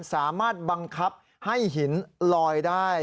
สามารถบังคับให้หินลอยได้